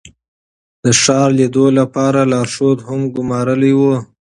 د ښار لیدو لپاره لارښود هم ګمارلی و.